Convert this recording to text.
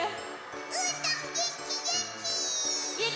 うーたんげんきげんき！